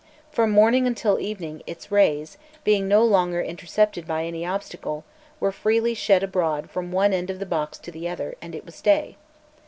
From morning until evening its rays, being no longer intercepted by any obstacle, were freely shed abroad from one end of the box to the other, and it was day.